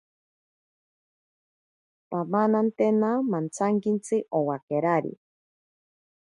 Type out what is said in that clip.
Pamanantena mantsakintsi owakerari.